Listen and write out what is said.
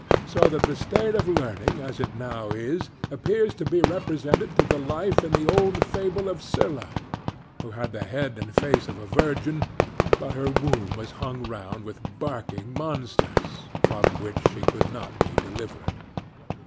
So that the state of learning as it now is appears to be represented to the life in the old fable of Scylla, who had the head and face of a virgin, but her womb was hung round with barking monsters, from which she could not be delivered.